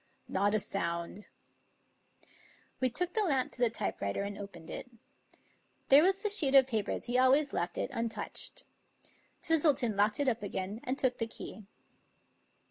"" Not a sound." We took the lamp to the typewriter and opened it. There was the sheet of paper as he always left it, untouched, Twistleton locked it up again and took the key.